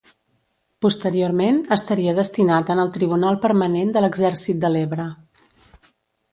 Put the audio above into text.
Posteriorment estaria destinat en el tribunal permanent de l'Exèrcit de l'Ebre.